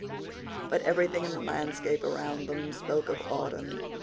But everything in the landscape around them spoke of autumn.